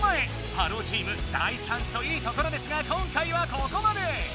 ハローチーム大チャンスといいところですが今回はここまで！